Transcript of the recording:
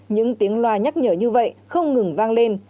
những tiếng loa nhắc nhở như vậy không ngừng vang lên